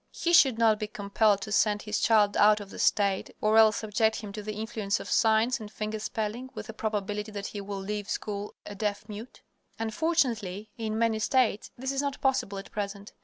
He should not be compelled to send his child out of the state or else subject him to the influence of signs and finger spelling, with the probability that he will leave school a deaf mute. Unfortunately, in many states, this is not possible at present.